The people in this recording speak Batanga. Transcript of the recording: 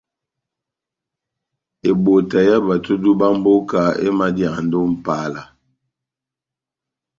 Ebota yá batodu bá mboka emadiyandi ó Mʼpala.